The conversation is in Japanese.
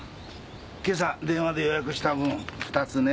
今朝電話で予約した分２つね。